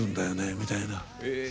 みたいな。